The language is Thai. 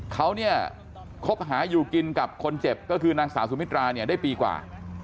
เขาเนี่ยคบหาอยู่กินกับคนเจ็บก็คือนางสาวสุมิตราเนี่ยได้ปีกว่า